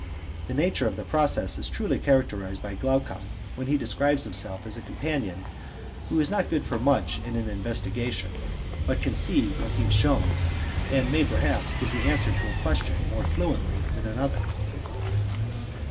The nature of the process is truly characterized by Glaucon, when he describes himself as a companion who is not good for much in an investigation, but can see what he is shown, and may, perhaps, give the answer to a question more fluently than another.